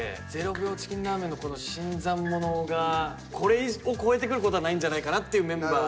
０秒チキンラーメンのこの新参者がこれを超えてくる事はないんじゃないかなっていうメンバー。